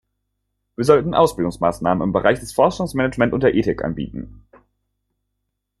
Wir sollten Ausbildungsmaßnahmen im Bereich des Forschungsmanagements und der Ethik anbieten.